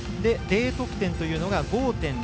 Ｄ得点というのが５．０００。